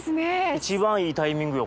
一番いいタイミングよ